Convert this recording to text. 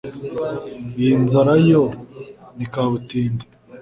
Iyi nzara yo ni kabutindi